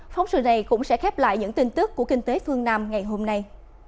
phóng sự này cũng sẽ khép lại những tin tức của kinh tế phương nam ngày hôm nay